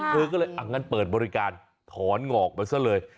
เธอก็เลยเปิดบริการถอนหงอกไปซะเลย